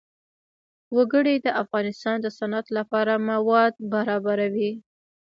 وګړي د افغانستان د صنعت لپاره مواد برابروي.